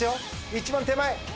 一番手前！